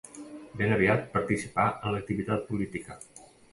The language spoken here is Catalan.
Ben aviat participà en l'activitat política.